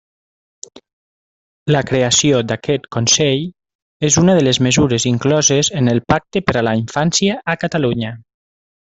La creació d'aquest Consell és una de les mesures incloses en el Pacte per a la Infància a Catalunya.